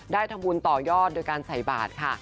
ได้ธรรมวลต่อยอดโดยการใส่บาทค่ะ